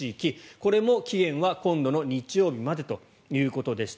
これも期限は今度の日曜日までということでした。